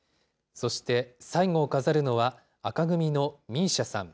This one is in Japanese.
そして最後を飾るのは紅組のＭＩＳＩＡさん。